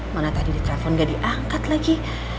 mana tadi ditelepon gak diangkat lagi